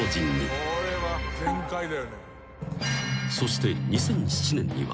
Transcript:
［そして２００７年には］